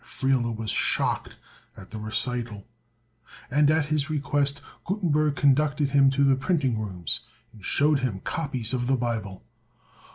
Friele was shocked at the recital; and at his request Gutenberg conducted him to the printing rooms, and showed him copies of the Bible.